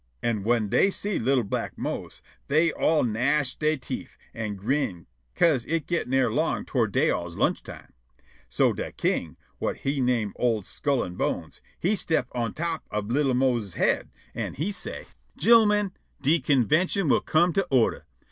An' whin dey see li'l' black Mose, dey all gnash dey teef an' grin' 'ca'se it gettin' erlong toward dey all's lunch time. So de king, whut he name old Skull an' Bones, he step' on top ob li'l' Mose's head, an' he say': "Gin'l'min, de convintion will come to order.